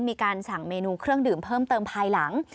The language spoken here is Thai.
มีการสั่งเมนูเครื่องดื่มเพิ่มเติมภายหลัง